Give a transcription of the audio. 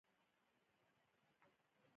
د تخت اړتیا هر تضاد حل کوي.